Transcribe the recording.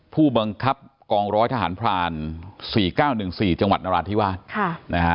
ผู้บังคับกองร้อยทหารพราน๔๙๑๔จังหวัดนราธิวาสนะฮะ